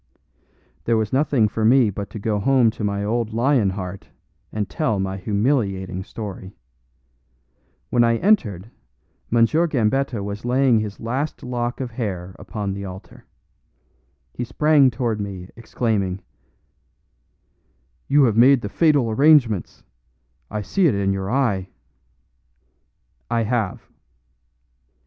There was nothing for me but to go home to my old lion heart and tell my humiliating story. When I entered, M. Gambetta was laying his last lock of hair upon the altar. He sprang toward me, exclaiming: "You have made the fatal arrangements I see it in your eye!" "I have."